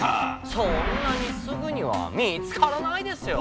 そんなにすぐには見つからないですよ。